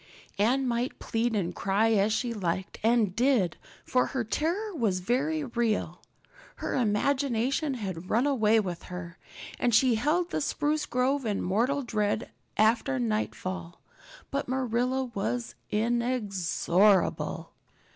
Anne might plead and cry as she liked and did, for her terror was very real. Her imagination had run away with her and she held the spruce grove in mortal dread after nightfall. But Marilla was inexorable.